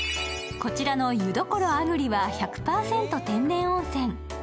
こちらの湯処あぐりは１００％天然温泉。